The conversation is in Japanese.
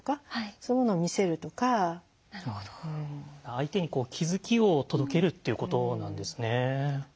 相手に気付きを届けるっていうことなんですね。